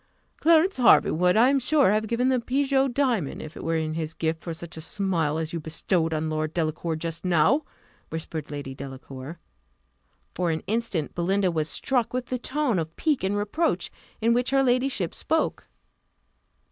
"Clarence Hervey would, I am sure, have given the Pigot diamond, if it were in his gift, for such a smile as you bestowed on Lord Delacour just now," whispered Lady Delacour. For an instant Belinda was struck with the tone of pique and reproach, in which, her ladyship spoke.